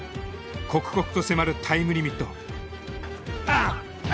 刻々と迫るタイムリミットあっあ！